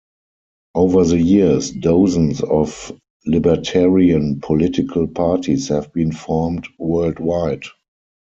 Over the years, dozens of libertarian political parties have been formed worldwide.